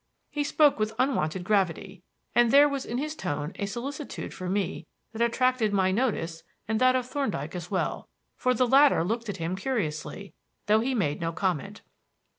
He spoke with unwonted gravity, and there was in his tone a solicitude for me that attracted my notice and that of Thorndyke as well, for the latter looked at him curiously, though he made no comment.